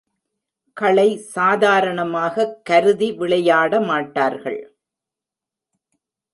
களை சாதாரணமாகக் கருதி விளையாட மாட்டார்கள்.